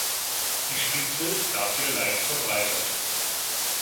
Die Spitze ist dafür leicht verbreitert.